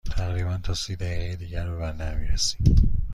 تقریباً تا سی دقیقه دیگر به بندر می رسیم.